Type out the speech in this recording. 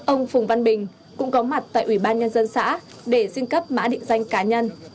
ông phùng văn bình cũng có mặt tại ủy ban nhân dân xã để xin cấp mã định danh cá nhân